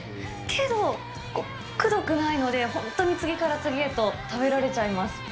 けど、くどくないので、本当に次から次へと食べられちゃいます。